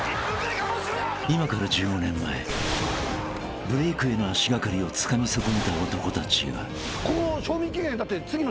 ［今から１５年前ブレークへの足掛かりをつかみ損ねた男たちが］すぐ来ます